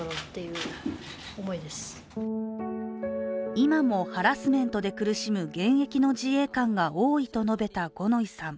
今もハラスメントで苦しむ現役の自衛官が多いと述べた五ノ井さん。